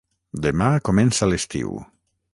Demà comença l'estiu.